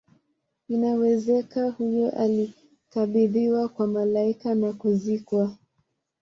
inawezeka huyu alikabidhiwa kwa malaika na kuzikwa